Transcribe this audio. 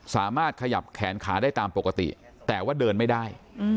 สามารถขยับแขนขาได้ตามปกติแต่ว่าเดินไม่ได้